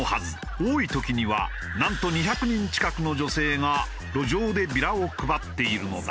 多い時にはなんと２００人近くの女性が路上でビラを配っているのだ。